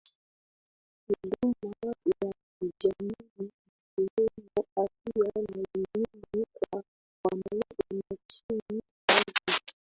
Huduma za kijamii ikiwemo afya na elimu kwa wananchi wake